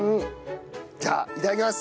じゃあいただきます。